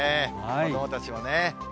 子どもたちもね。